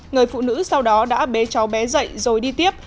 người phụ nữ sau đó đã bế cháu bé dậy rồi đi tiếp